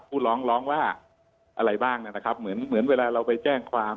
ผู้ร้องร้องว่าอะไรบ้างนะครับเหมือนเหมือนเวลาเราไปแจ้งความ